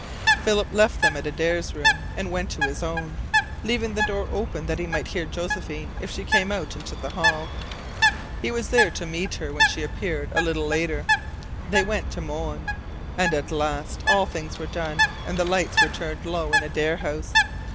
Philip left them at Adare's room and went to his own, leaving the door open that he might hear Josephine if she came out into the hall. He was there to meet her when she appeared a little later. They went to Moanne. And at last all things were done, and the lights were turned low in Adare House.